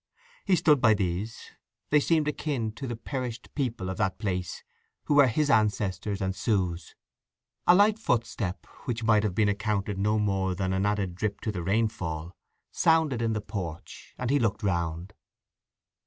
He stood by these: they seemed akin to the perished people of that place who were his ancestors and Sue's. A light footstep, which might have been accounted no more than an added drip to the rainfall, sounded in the porch, and he looked round.